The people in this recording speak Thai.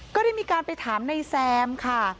ก็ได้มีการไปถามนายแซมค่ะ